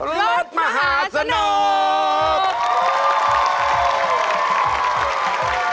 แล้วมหาสนุก